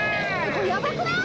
これやばくない？